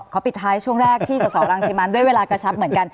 ปิดท้ายช่วงแรกที่สสรังสิมันด้วยเวลากระชับเหมือนกัน